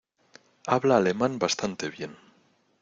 Habla alemán bastante bien.